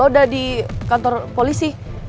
oh udah di kantor polisi